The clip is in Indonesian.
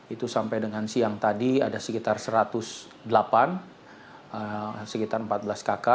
itu sampai dengan siang tadi ada sekitar satu ratus delapan sekitar empat belas kakak